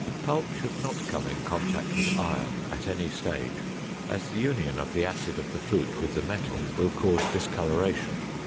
Pulp should not come in contact with iron at any stage, as the union of the acid of the fruit with the metal will cause discoloration.